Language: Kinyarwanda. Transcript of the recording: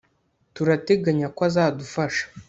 turateganya ko azadufasha